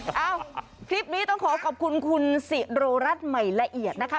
เอ้าคลิปนี้ต้องขอขอบคุณคุณสิโรรัสใหม่ละเอียดนะคะ